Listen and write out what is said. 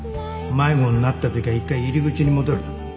迷子になった時は一回入り口に戻る。